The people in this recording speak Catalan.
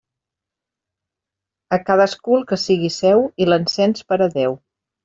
A cadascú el que siga seu i l'encens per a Déu.